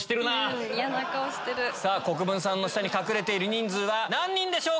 国分さんの下に隠れている人数は何人でしょうか